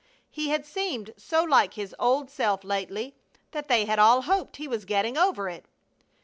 He had seemed so like his old self lately that they had all hoped he was getting over it.